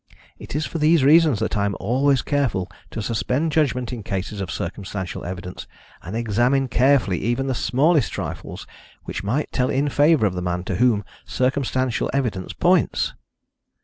It is for these reasons that I am always careful to suspend judgment in cases of circumstantial evidence, and examine carefully even the smallest trifles which might tell in favour of the man to whom circumstantial evidence points.